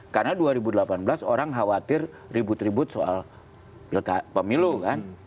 karena dua ribu delapan belas orang khawatir ribut ribut soal pemilu kan